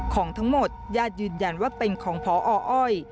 ของทั้งหมดญาติยืนยันว่าเป็นของพออ้อย